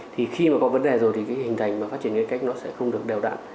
thì khi mà có vấn đề rồi thì cái hình thành và phát triển cái cách nó sẽ không được đều đạn